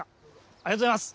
ありがとうございます。